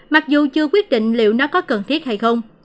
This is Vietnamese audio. mặc dù chưa quyết định liệu nó có cần thiết hay không